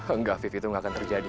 enggak afif itu gak akan terjadi